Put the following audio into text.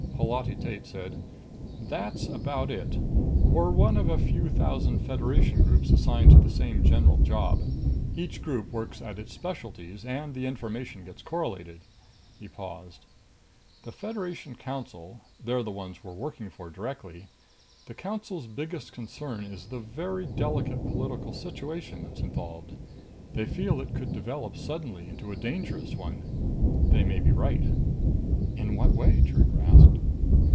Holati Tate said, "That's about it. We're one of a few thousand Federation groups assigned to the same general job. Each group works at its specialties, and the information gets correlated." He paused. "The Federation Council they're the ones we're working for directly the Council's biggest concern is the very delicate political situation that's involved. They feel it could develop suddenly into a dangerous one. They may be right." "In what way?" Trigger asked.